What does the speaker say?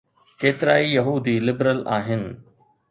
ڪيترائي يهودي لبرل آهن.